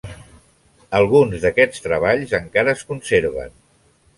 Alguns d'aquests treballs encara es conserven.